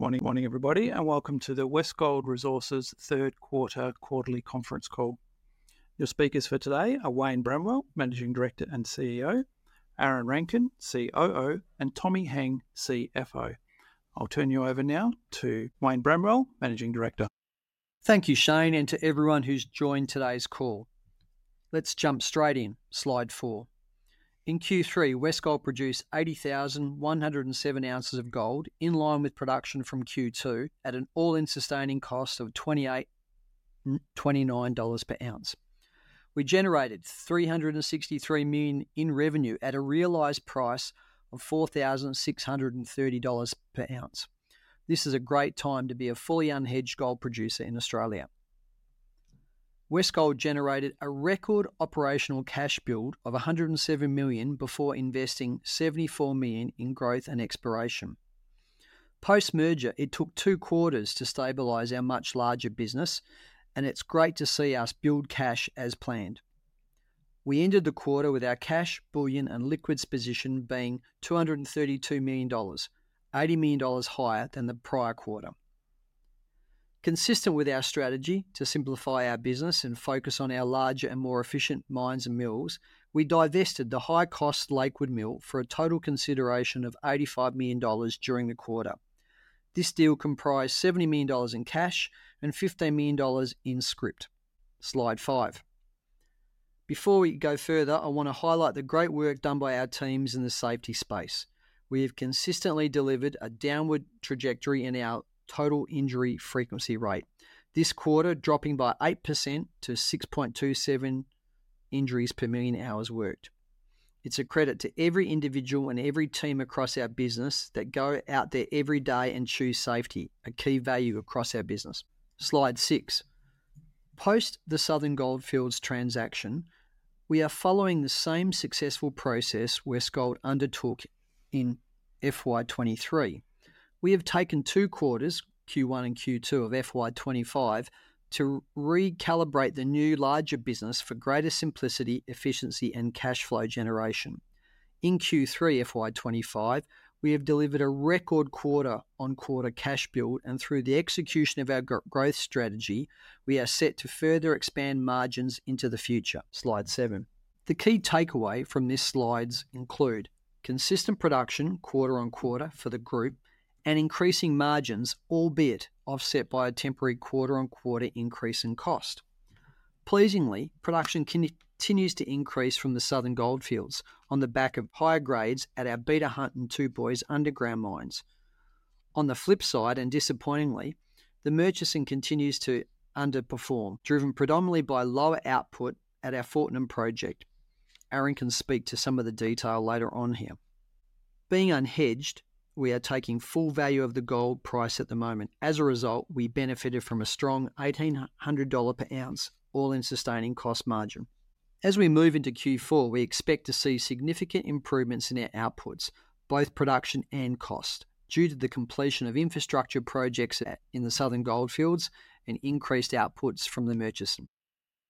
Good morning everybody, and welcome to the Westgold Resources Third Quarter Quarterly Conference Call. Your speakers for today are Wayne Bramwell, Managing Director and CEO; Aaron Rankin, COO; and Tommy Heng, CFO. I'll turn you over now to Wayne Bramwell, Managing Director. Thank you, Shane, and to everyone who's joined today's call. Let's jump straight in, slide four. In Q3, Westgold produced 80,107 ounces of gold in line with production from Q2 at an all-in sustaining cost of 2,829 dollars per ounce. We generated 363 million in revenue at a realized price of 4,630 dollars per ounce. This is a great time to be a fully unhedged gold producer in Australia. Westgold generated a record operational cash build of 107 million before investing 74 million in growth and exploration. Post-merger, it took two quarters to stabilize our much larger business, and it's great to see us build cash as planned. We ended the quarter with our cash, bullion, and liquids position being 232 million dollars, 80 million dollars higher than the prior quarter. Consistent with our strategy to simplify our business and focus on our larger and more efficient mines and mills, we divested the high-cost Lakewood Mill for a total consideration of 85 million dollars during the quarter. This deal comprised 70 million dollars in cash and 15 million dollars in scrip. Slide five. Before we go further, I want to highlight the great work done by our teams in the safety space. We have consistently delivered a downward trajectory in our Total Injury Frequency Rate, this quarter dropping by 8% to 6.27 injuries per million hours worked. It's a credit to every individual and every team across our business that go out there every day and choose safety, a key value across our business. Slide six. Post the Southern Goldfields transaction, we are following the same successful process Westgold undertook in FY 2023. We have taken two quarters, Q1 and Q2 of FY 2025, to recalibrate the new larger business for greater simplicity, efficiency, and cash flow generation. In Q3 FY 2025, we have delivered a record quarter-on-quarter cash build, and through the execution of our growth strategy, we are set to further expand margins into the future. Slide seven. The key takeaway from these slides include consistent production quarter-on-quarter for the group and increasing margins, albeit offset by a temporary quarter-on-quarter increase in cost. Pleasingly, production continues to increase from the Southern Goldfields on the back of higher grades at our Beta Hunt and Two Boys underground mines. On the flip side, and disappointingly, the Murchision continues to underperform, driven predominantly by lower output at our Fortnum project. Aaron can speak to some of the detail later on here. Being unhedged, we are taking full value of the gold price at the moment. As a result, we benefited from a strong 1,800 dollar per ounce, all-in sustaining cost margin. As we move into Q4, we expect to see significant improvements in our outputs, both production and cost, due to the completion of infrastructure projects in the Southern Goldfields and increased outputs from the Murchison.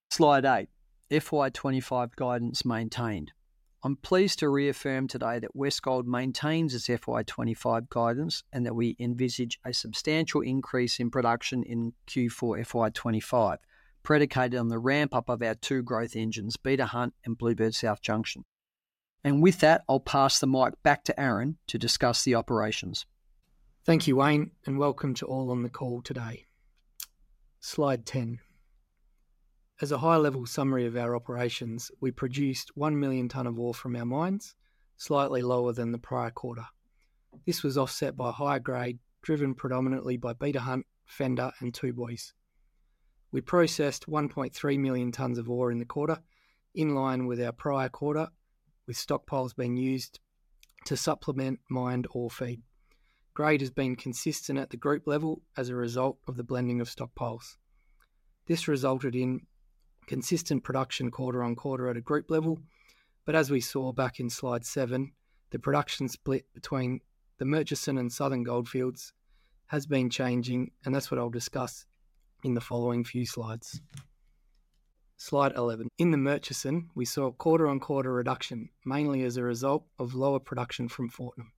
Slide eight, FY 2025 guidance maintained. I'm pleased to reaffirm today that Westgold maintains its FY 2025 guidance and that we envisage a substantial increase in production in Q4 FY 2025, predicated on the ramp-up of our two growth engines, Beta Hunt and Bluebird South Junction. With that, I'll pass the mic back to Aaron to discuss the operations. Thank you, Wayne, and welcome to all on the call today. Slide 10. As a high-level summary of our operations, we produced 1 million tons of ore from our mines, slightly lower than the prior quarter. This was offset by higher grade, driven predominantly by Beta Hunt, Fender, and Two Boys. We processed 1.3 million tons of ore in the quarter, in line with our prior quarter, with stockpiles being used to supplement mined ore feed. Grade has been consistent at the group level as a result of the blending of stockpiles. This resulted in consistent production quarter-on-quarter at a group level, but as we saw back in slide seven, the production split between the Murchison and Southern Goldfields has been changing, and that's what I'll discuss in the following few slides. Slide 11. In the Murchison, we saw quarter-on-quarter reduction, mainly as a result of lower production from Fortnum.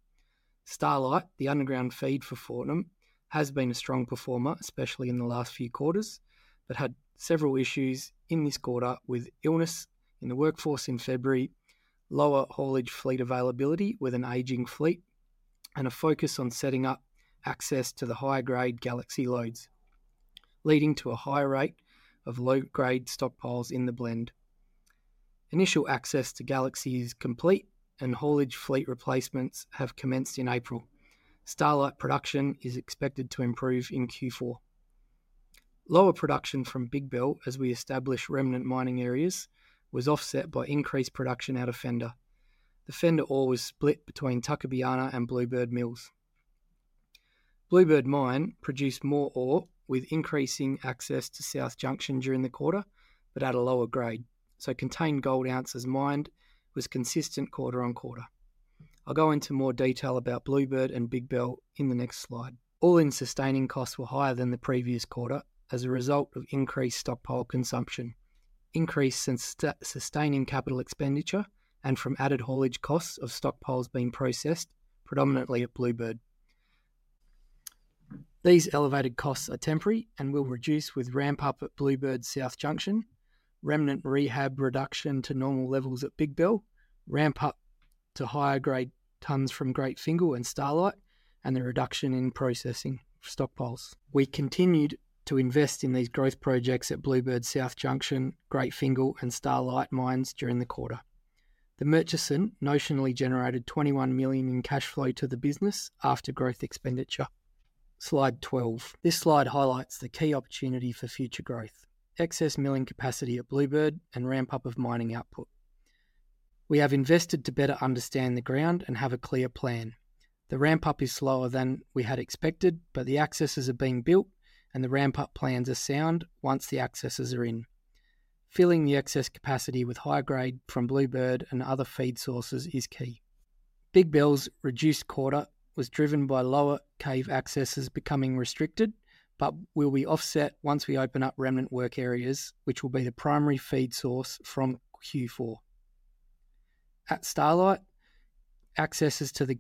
Starlight, the underground feed for Fortnum, has been a strong performer, especially in the last few quarters, but had several issues in this quarter with illness in the workforce in February, lower haulage fleet availability with an aging fleet, and a focus on setting up access to the higher grade Galaxy loads, leading to a higher rate of low-grade stockpiles in the blend. Initial access to Galaxy is complete, and haulage fleet replacements have commenced in April. Starlight production is expected to improve in Q4. Lower production from Big Bill, as we establish remnant mining areas, was offset by increased production out of Fender. The Fender ore was split between Tucker Biana and Bluebird Mills. Bluebird Mine produced more ore with increasing access to South Junction during the quarter, but at a lower grade, so contained gold ounces mined was consistent quarter-on-quarter. I'll go into more detail about Bluebird and Big Bill in the next slide. All-in sustaining costs were higher than the previous quarter as a result of increased stockpile consumption, increased sustaining capital expenditure, and from added haulage costs of stockpiles being processed, predominantly at Bluebird. These elevated costs are temporary and will reduce with ramp-up at Bluebird South Junction, remnant rehab reduction to normal levels at Big Bill, ramp-up to higher grade tons from Great Fingal and Starlight, and the reduction in processing stockpiles. We continued to invest in these growth projects at Bluebird South Junction, Great Fingal, and Starlight mines during the quarter. The Murchison notionally generated 21 million in cash flow to the business after growth expenditure. Slide 12. This slide highlights the key opportunity for future growth: excess milling capacity at Bluebird and ramp-up of mining output. We have invested to better understand the ground and have a clear plan. The ramp-up is slower than we had expected, but the accesses are being built, and the ramp-up plans are sound once the accesses are in. Filling the excess capacity with higher grade from Bluebird and other feed sources is key. Big Bill's reduced quarter was driven by lower cave accesses becoming restricted, but will be offset once we open up remnant work areas, which will be the primary feed source from Q4. At Starlight, accesses to the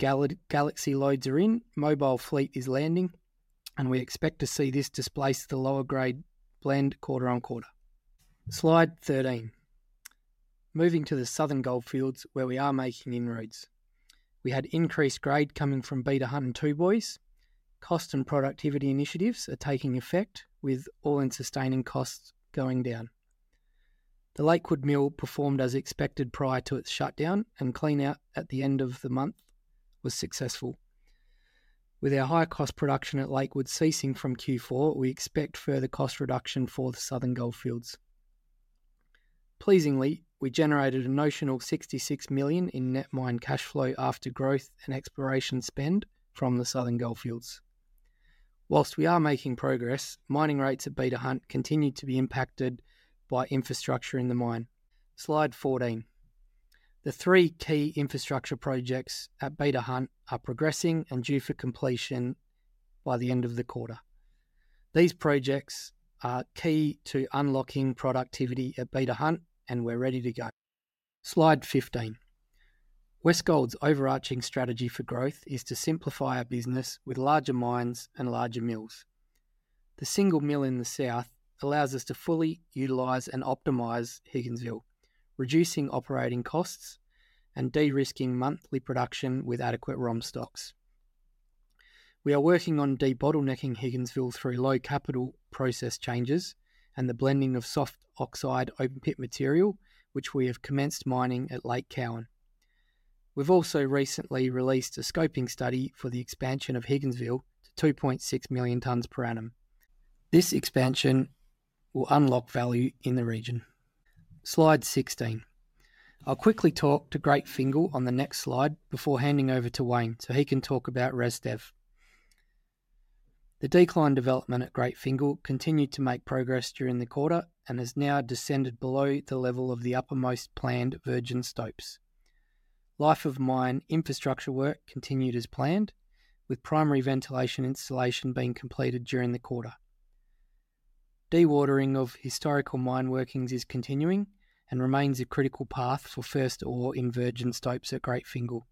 Galaxy loads are in, mobile fleet is landing, and we expect to see this displace the lower grade blend quarter-on-quarter. Slide 13. Moving to the Southern Goldfields, where we are making inroads. We had increased grade coming from Beta Hunt and Two Boys. Cost and productivity initiatives are taking effect, with all-in sustaining costs going down. The Lakewood Mill performed as expected prior to its shutdown, and clean-out at the end of the month was successful. With our higher cost production at Lakewood ceasing from Q4, we expect further cost reduction for the Southern Goldfields. Pleasingly, we generated a notional 66 million in net mine cash flow after growth and exploration spend from the Southern Goldfields. Whilst we are making progress, mining rates at Beta Hunt continue to be impacted by infrastructure in the mine. Slide 14. The three key infrastructure projects at Beta Hunt are progressing and due for completion by the end of the quarter. These projects are key to unlocking productivity at Beta Hunt, and we're ready to go. Slide 15. Westgold's overarching strategy for growth is to simplify our business with larger mines and larger mills. The single mill in the south allows us to fully utilize and optimize Higginsville, reducing operating costs and de-risking monthly production with adequate ROM stocks. We are working on de-bottlenecking Higginsville through low-capital process changes and the blending of soft oxide open-pit material, which we have commenced mining at Lake Cowan. We've also recently released a scoping study for the expansion of Higginsville to 2.6 million tons per annum. This expansion will unlock value in the region. Slide 16. I'll quickly talk about Great Fingal on the next slide before handing over to Wayne so he can talk about res dev. The decline development at Great Fingal continued to make progress during the quarter and has now descended below the level of the uppermost planned virgin stopes. Life-of-mine infrastructure work continued as planned, with primary ventilation installation being completed during the quarter. De-watering of historical mine workings is continuing and remains a critical path for first ore in virgin stopes at Great Fingal.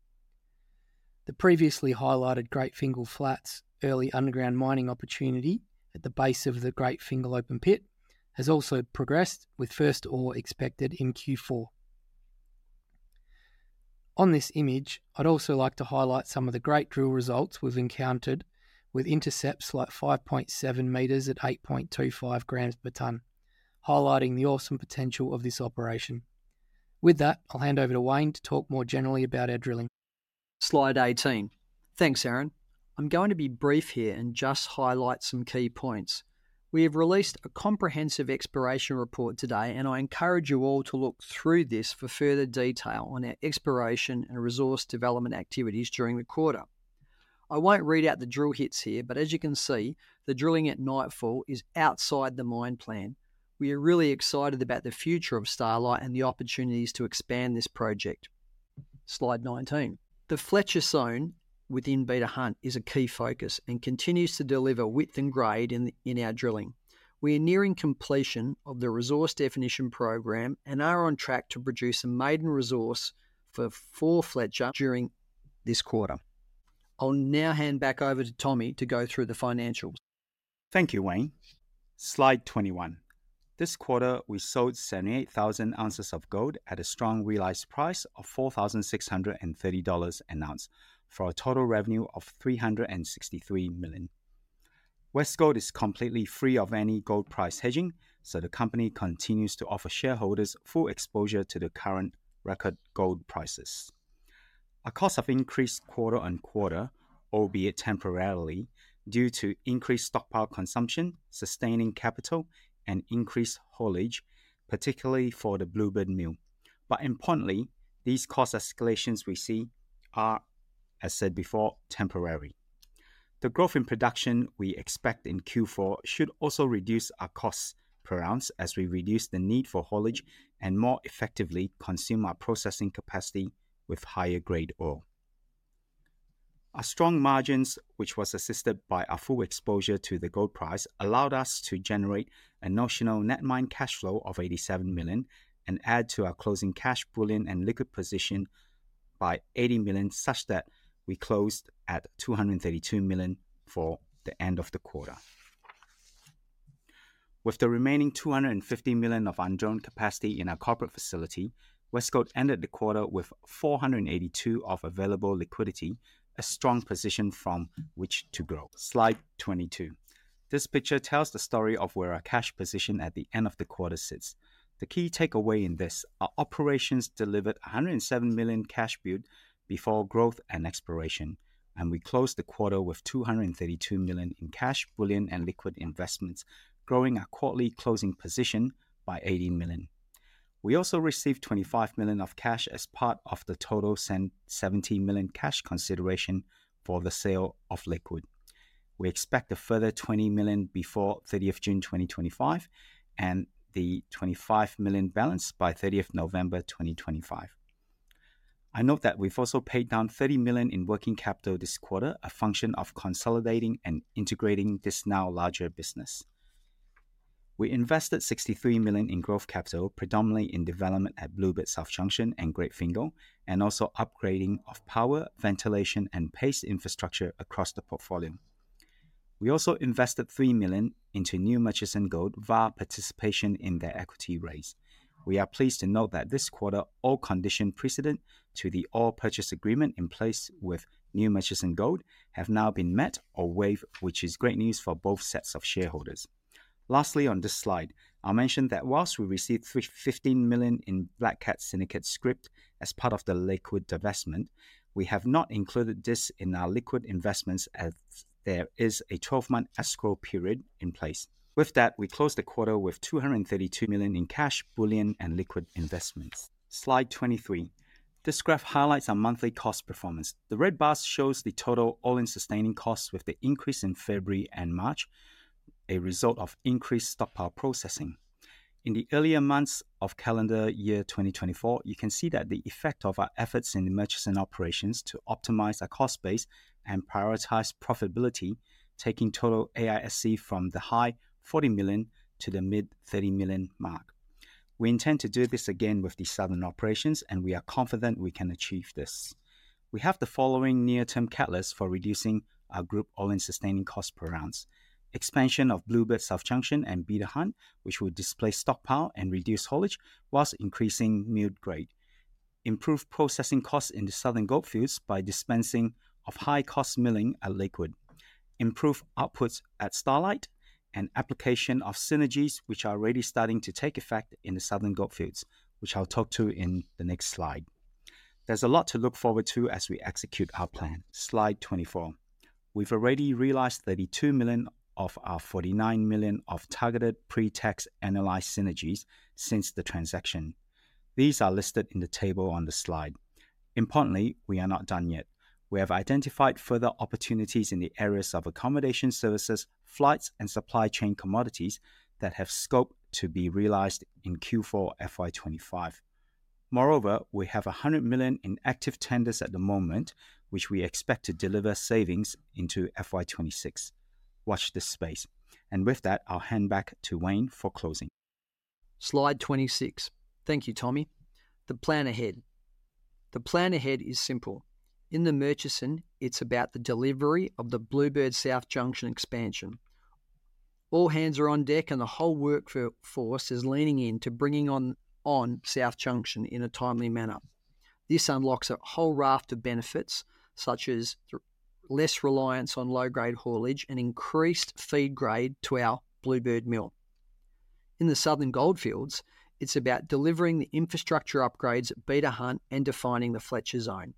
The previously highlighted Great Fingal flats' early underground mining opportunity at the base of the Great Fingal open pit has also progressed, with first ore expected in Q4. On this image, I'd also like to highlight some of the great drill results we've encountered, with intercepts like 5.7m at 8.25g per ton, highlighting the awesome potential of this operation. With that, I'll hand over to Wayne to talk more generally about our drilling. Slide 18. Thanks, Aaron. I'm going to be brief here and just highlight some key points. We have released a comprehensive exploration report today, and I encourage you all to look through this for further detail on our exploration and resource development activities during the quarter. I won't read out the drill hits here, but as you can see, the drilling at Nightfall is outside the mine plan. We are really excited about the future of Starlight and the opportunities to expand this project. Slide 19. The Fletcher zone within Beta Hunt is a key focus and continues to deliver width and grade in our drilling. We are nearing completion of the resource definition program and are on track to produce a maiden resource for Fletcher during this quarter. I'll now hand back over to Tommy to go through the financials. Thank you, Wayne. Slide 21. This quarter, we sold seventy-eight thousand ounces of gold at a strong realized price of 4,630 dollars an ounce, for a total revenue of 363 million. Westgold is completely free of any gold price hedging, so the company continues to offer shareholders full exposure to the current record gold prices. Our costs have increased quarter-on-quarter, albeit temporarily, due to increased stockpile consumption, sustaining capital, and increased haulage, particularly for the Bluebird Mill. Importantly, these cost escalations we see are, as said before, temporary. The growth in production we expect in Q4 should also reduce our costs per ounce as we reduce the need for haulage and more effectively consume our processing capacity with higher grade ore. Our strong margins, which were assisted by our full exposure to the gold price, allowed us to generate a notional net mine cash flow of 87 million and add to our closing cash, bullion, and liquid position by 80 million, such that we closed at 232 million for the end of the quarter. With the remaining 250 million of undrawn capacity in our Corporate Facility, Westgold ended the quarter with 482 million of available liquidity, a strong position from which to grow. Slide 22. This picture tells the story of where our cash position at the end of the quarter sits. The key takeaway in this: our operations delivered 107 million cash built, before growth and exploration, and we closed the quarter with 232 million in cash, bullion, and liquid investments, growing our quarterly closing position by 80 million. We also received 25 million of cash as part of the total 70 million cash consideration for the sale of Lakewood. We expect a further 20 million before 30 June 2025 and the 25 million balance by 30 November 2025. I note that we've also paid down 30 million in working capital this quarter, a function of consolidating and integrating this now larger business. We invested 63 million in growth capital, predominantly in development at Bluebird South Junction and Great Fingal, and also upgrading of power, ventilation, and paste infrastructure across the portfolio. We also invested 3 million into New Murchison Gold via participation in their equity raise. We are pleased to note that this quarter, all conditions precedent to the ore purchase agreement in place with New Murchison Gold have now been met or waived, which is great news for both sets of shareholders. Lastly, on this slide, I'll mention that whilst we received 15 million in Black Cat Syndicate scrip as part of the Lakewood divestment, we have not included this in our liquid investments as there is a 12-month escrow period in place. With that, we closed the quarter with 232 million in cash, bullion, and Liquid Investments. Slide 23. This graph highlights our monthly cost performance. The red bars show the total all-in sustaining costs with the increase in February and March, a result of increased stockpile processing. In the earlier months of calendar year 2024, you can see that the effect of our efforts in the Murchison operations to optimize our cost base and prioritize profitability taking total AISC from the high 40 million to the mid 30 million mark. We intend to do this again with the Southern operations, and we are confident we can achieve this. We have the following near-term catalysts for reducing our group all-in sustaining costs per ounce: expansion of Bluebird South Junction and Beta Hunt, which will displace stockpile and reduce haulage, whilst increasing milled grade improve processing costs in the Southern Goldfields by dispensing of high-cost milling at Lakewood; improve outputs at Starlight and application of synergies, which are already starting to take effect in the Southern Goldfields, which I'll talk to in the next slide. There is a lot to look forward to as we execute our plan. Slide 24. We have already realized 32 million of our 49 million of targeted pre-tax analyzed synergies since the transaction. These are listed in the table on the slide. Importantly, we are not done yet. We have identified further opportunities in the areas of accommodation services, flights, and supply chain commodities that have scope to be realized in Q4 FY 2025. Moreover, we have 100 million in active tenders at the moment, which we expect to deliver savings into FY 2026. Watch this space. With that, I'll hand back to Wayne for closing. Slide 26. Thank you, Tommy. The plan ahead. The plan ahead is simple. In the Murchison, it's about the delivery of the Bluebird South Junction expansion. All hands are on deck, and the whole workforce is leaning into bringing on South Junction in a timely manner. This unlocks a whole raft of benefits, such as less reliance on low-grade haulage and increased feed grade to our Bluebird Mill. In the Southern Goldfields, it's about delivering the infrastructure upgrades at Beta Hunt and defining the Fletcher zone.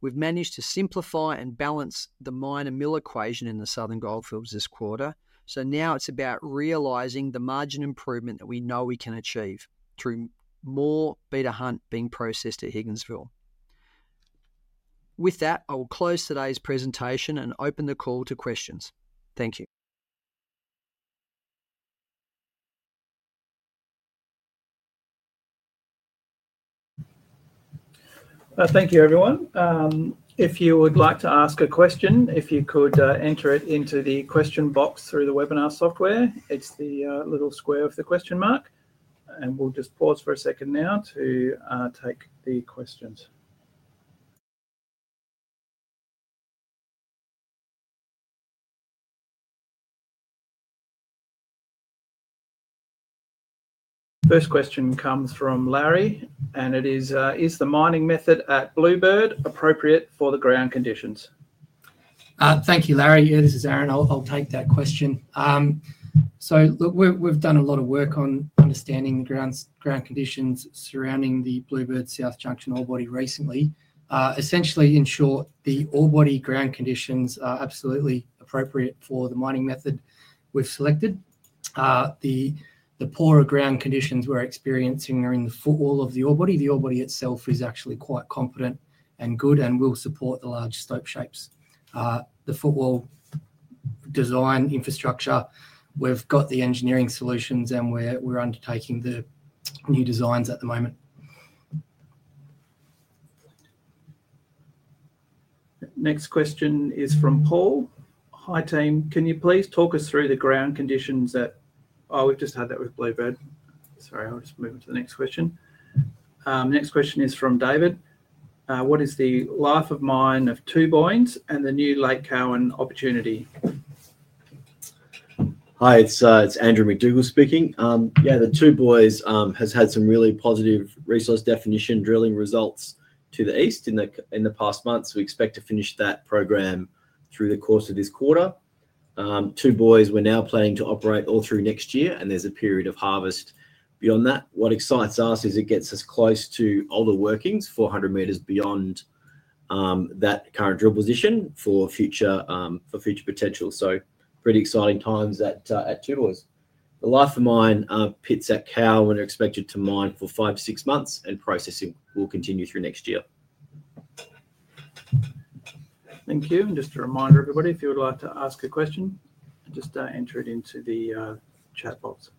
We've managed to simplify and balance the mine and mill equation in the Southern Goldfields this quarter, so now it's about realizing the margin improvement that we know we can achieve through more Beta Hunt being processed at Higginsville. With that, I will close today's presentation and open the call to questions. Thank you. Thank you, everyone. If you would like to ask a question, if you could enter it into the question box through the webinar software. It's the little square with the question mark. We'll just pause for a second now to take the questions. First question comes from Larry, and it is: Is the mining method at Bluebird appropriate for the ground conditions? Thank you, Larry. This is Aaron. I'll take that question. We've done a lot of work on understanding the ground conditions surrounding the Bluebird South Junction ore body recently. Essentially, in short, the ore body ground conditions are absolutely appropriate for the mining method we've selected. The poorer ground conditions we're experiencing are in the footwall of the ore body. The ore body itself is actually quite competent and good and will support the large stope shapes. The footwall design infrastructure, we've got the engineering solutions, and we're undertaking the new designs at the moment. Next question is from Paul. Hi, team. Can you please talk us through the ground conditions at—oh, we've just had that with Bluebird. Sorry, I'll just move on to the next question. Next question is from David. What is the life of mine of Two Boys and the new Lake Cowan opportunity? Hi, it's Andrew McDougall speaking. Yeah, the Two Boys have had some really positive resource definition drilling results to the east in the past months. We expect to finish that program through the course of this quarter. Two Boys we're now planning to operate all through next year, and there's a period of harvest beyond that. What excites us is it gets us close to older workings 400 meters beyond that current drill position for future potential. Pretty exciting times at Two Boys. The life of mine pits at Lake Cowan we're expected to mine for five to six months, and processing will continue through next year. Thank you. Just a reminder, everybody, if you would like to ask a question, just enter it into the chat box.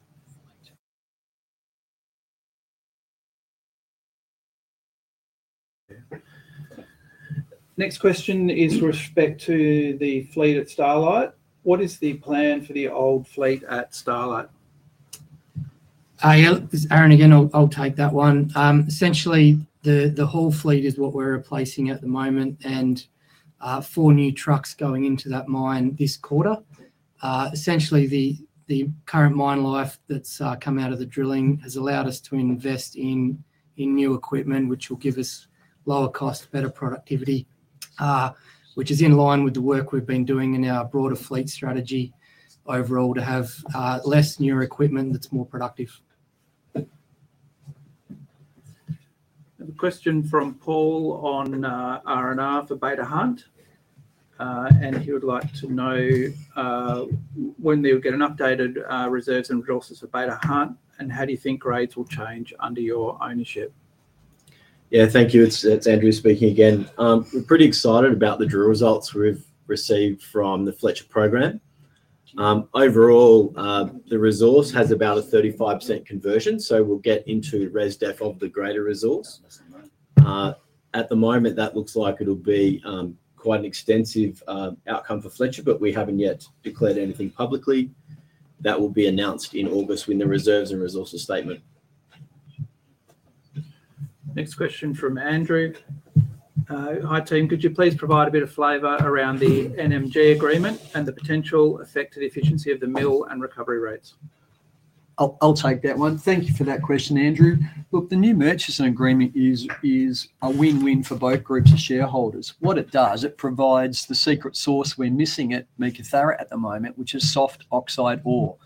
Next question is with respect to the fleet at Starlight. What is the plan for the old fleet at Starlight? Hi, this is Aaron again. I'll take that one. Essentially, the whole fleet is what we're replacing at the moment, and four new trucks going into that mine this quarter. Essentially, the current mine life that's come out of the drilling has allowed us to invest in new equipment, which will give us lower cost, better productivity, which is in line with the work we've been doing in our broader fleet strategy overall to have less newer equipment that's more productive. Question from Paul on R&R for Beta Hunt, and he would like to know when they would get an updated reserves and resources for Beta Hunt, and how do you think grades will change under your ownership? Yeah, thank you. It's Andrew speaking again. We're pretty excited about the drill results we've received from the Fletcher program. Overall, the resource has about a 35% conversion, so we'll get into res dev of the greater resource. At the moment, that looks like it'll be quite an extensive outcome for Fletcher, but we haven't yet declared anything publicly. That will be announced in August with the reserves and resources statement. Next question from Andrew. Hi, team. Could you please provide a bit of flavor around the NMG agreement and the potential effect to the efficiency of the mill and recovery rates? I'll take that one. Thank you for that question, Andrew. Look, the New Murchison Gold agreement is a win-win for both groups of shareholders. What it does, it provides the secret sauce we're missing at Mekatharra at the moment, which is soft oxide ore.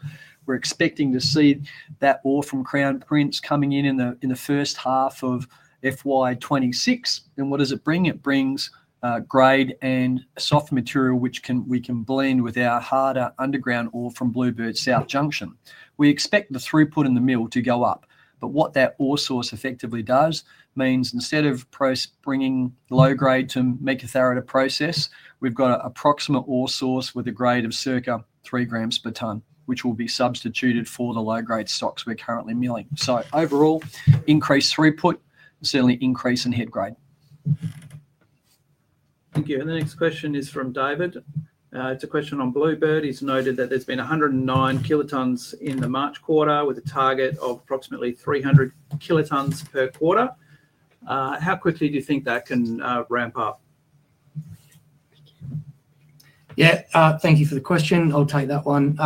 We're expecting to see that ore from Crown Prince coming in in the first half of FY 2026. What does it bring? It brings grade and soft material, which we can blend with our harder underground ore from Bluebird South Junction. We expect the throughput in the mill to go up. What that ore source effectively does means instead of bringing low-grade to Mekatharra to process, we've got an approximate ore source with a grade of circa 3g per ton, which will be substituted for the low-grade stocks we're currently milling. Overall, increased throughput, certainly increase in head grade. Thank you. The next question is from David. It's a question on Bluebird. He's noted that there's been 109 kilotons in the March quarter with a target of approximately 300 kilotons per quarter. How quickly do you think that can ramp up? Yeah, thank you for the question. I'll take that one.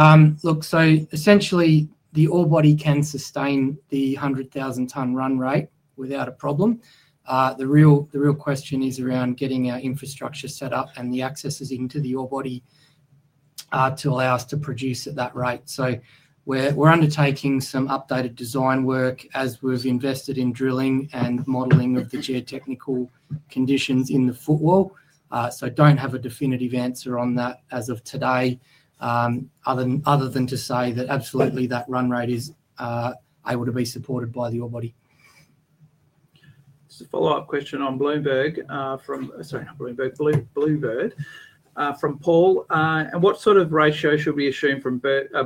Look, essentially, the ore body can sustain the 100,000-ton run rate without a problem. The real question is around getting our infrastructure set up and the accesses into the ore body to allow us to produce at that rate. We're undertaking some updated design work as we've invested in drilling and modeling of the geotechnical conditions in the footwall. I don't have a definitive answer on that as of today, other than to say that absolutely that run rate is able to be supported by the ore body. Just a follow-up question on Bluebird from Paul. What sort of ratio should we assume from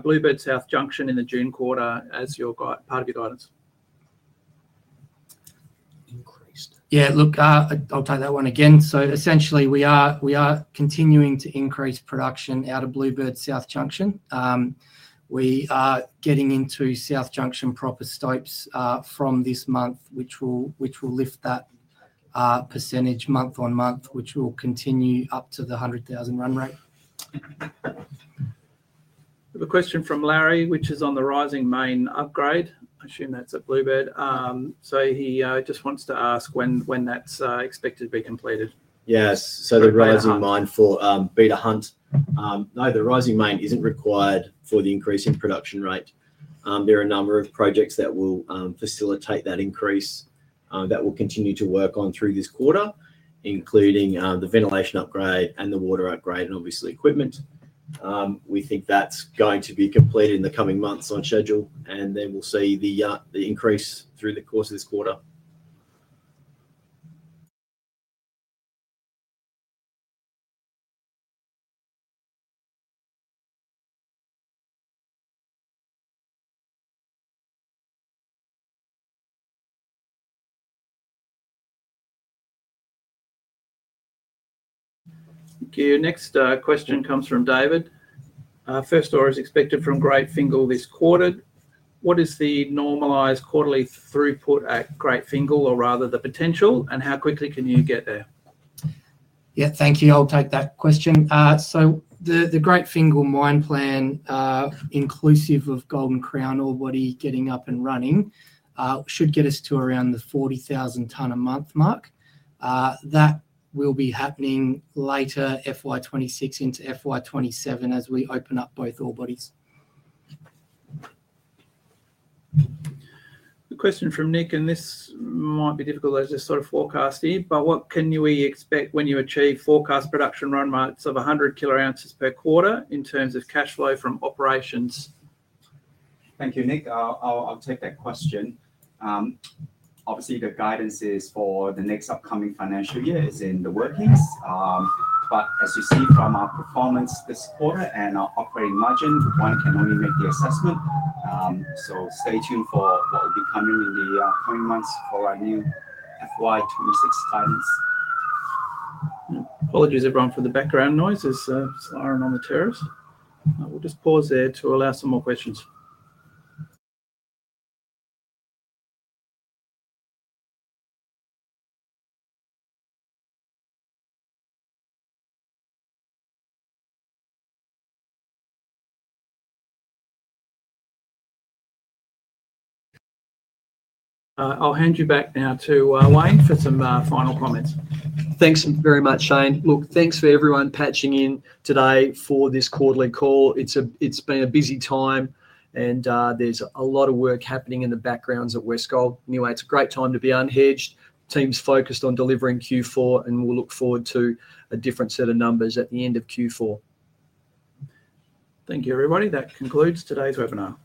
Bluebird South Junction in the June quarter as part of your guidance? Yeah, look, I'll take that one again. Essentially, we are continuing to increase production out of Bluebird South Junction. We are getting into South Junction proper stopes from this month, which will lift that percentage month on month, which will continue up to the 100,000 run rate. Another question from Larry, which is on the rising main upgrade. I assume that's at Bluebird. He just wants to ask when that's expected to be completed? Yes. The rising mine for Beta Hunt, no, the rising mine isn't required for the increase in production rate. There are a number of projects that will facilitate that increase that we'll continue to work on through this quarter, including the ventilation upgrade and the water upgrade and obviously equipment. We think that's going to be completed in the coming months on schedule, and then we'll see the increase through the course of this quarter. Thank you. Next question comes from David. First order is expected from Great Fingal this quarter. What is the normalized quarterly throughput at Great Fingal, or rather the potential, and how quickly can you get there? Yeah, thank you. I'll take that question. The Great Fingal mine plan, inclusive of Golden Crown ore body getting up and running, should get us to around the 40,000 ton a month mark. That will be happening later FY 2026 into FY 2027 as we open up both ore bodies. A question from Nick, and this might be difficult as a sort of forecasting, but what can we expect when you achieve forecast production run rates of 100 kilo-ounces per quarter in terms of cash flow from operations? Thank you, Nick. I'll take that question. Obviously, the guidance for the next upcoming financial year is in the workings. As you see from our performance this quarter and our operating margin, one can only make the assessment. Stay tuned for what will be coming in the coming months for our new FY 2026 guidance. Apologies everyone for the background noise. It's Aaron on the terrace. We'll just pause there to allow some more questions. I'll hand you back now to Wayne for some final comments. Thanks very much, Shane. Look, thanks for everyone patching in today for this quarterly call. It's been a busy time, and there's a lot of work happening in the background at Westgold. Anyway, it's a great time to be unhinged. Team's focused on delivering Q4, and we'll look forward to a different set of numbers at the end of Q4. Thank you, everybody. That concludes today's webinar.